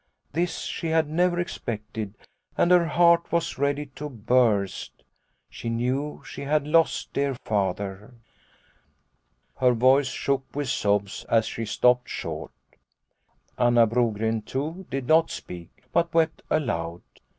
This she had never expected, and her heart was ready to burst. She knew she had lost dear Father." Her voice shook with sobs and she stopped short. Anna Brogren, too, did not speak, but wept aloud.